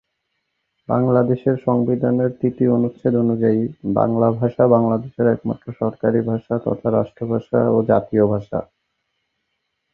বাংলাদেশের সংবিধানের তৃতীয় অনুচ্ছেদ অনুযায়ী, বাংলা ভাষা বাংলাদেশের একমাত্র সরকারি ভাষা তথা রাষ্ট্রভাষা ও জাতীয় ভাষা।